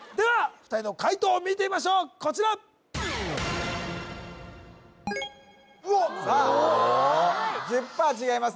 ２人の解答を見てみましょうこちらうおっおお１０％違います